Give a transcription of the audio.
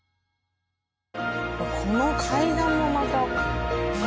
この階段もまた。